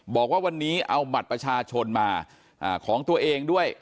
บอกว่าวันนี้เอาบัตรประชาชนมาของตัวเองด้วย